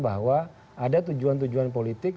ada tujuan tujuan politik